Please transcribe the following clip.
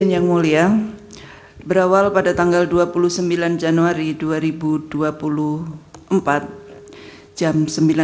yang mulia berawal pada tanggal dua puluh sembilan januari dua ribu dua puluh empat jam sembilan belas